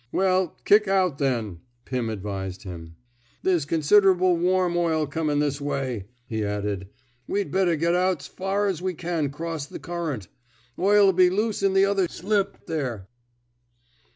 ^^ Well, kick out, then,*' Pim advised him. There *s considerable warm oil comin* this way.'* He added: We'd better get out's far as we can 'cross the current. Oil '11 be loose in the other slip, there."